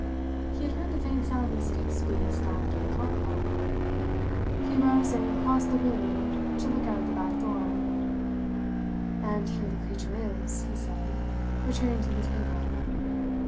He had heard the faint sound of sticks being snapped in the compound. He rose and crossed the room to look out of the back door. "And here the creature is," he said, returning to the table.